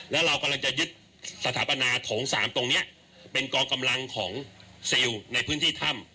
แล้วเรากำลังจะยึดสถาปนาโถง๓ตรงนี้เป็นกองกำลังของซิลในพื้นที่ถ้ำ